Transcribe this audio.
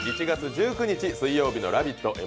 １月１９日水曜日の「ラヴィット！」。